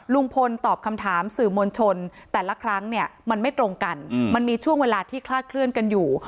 ลุงพลตอบคำถามสื่อมวลชนแต่ละครั้งเนี่ยมันไม่ตรงกันมันมีช่วงเวลาที่คลาดเคลื่อนกันอยู่